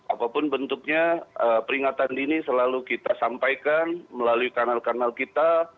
apapun bentuknya peringatan dini selalu kita sampaikan melalui kanal kanal kita